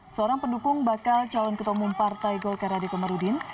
seorang pendukung bakal calon ketua umum partai golkar adekomarudin